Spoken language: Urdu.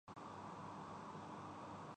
گواٹے مالا